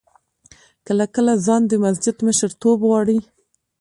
کله کله خان د مسجد مشرتوب غواړي.